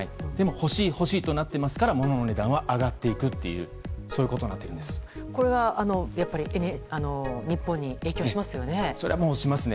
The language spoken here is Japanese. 欲しい欲しいとなっているので物の値段が上がっているとこれは日本に影響しますよね。